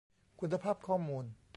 คุณภาพข้อมูล